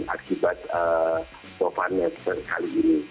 akibat sopannya seperti kali ini